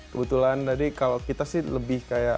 kebetulan tadi kalau kita sih lebih kayak